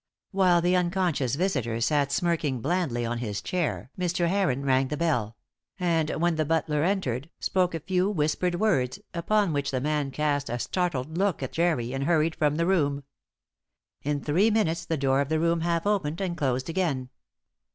While the unconscious visitor sat smirking blandly on his chair, Mr. Heron rang the bell; and when the butler entered, spoke a few whispered words, upon which the man cast a startled look at Jerry and hurried from the room. In three minutes the door of the room half opened and closed again.